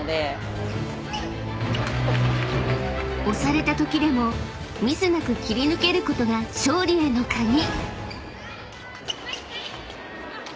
［押されたときでもミスなく切り抜けることが勝利への鍵］